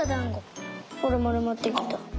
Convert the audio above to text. ほらまるまってきた。